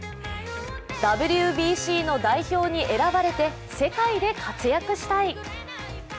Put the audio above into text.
ＷＢＣの代表に選ばれて、世界で活躍したい。